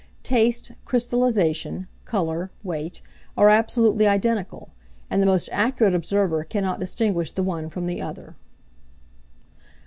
Taste, crystallization, colour, weight, are absolutely identical; and the most accurate observer cannot distinguish the one from the other.